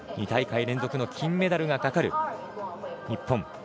２大会連続の金メダルがかかる日本。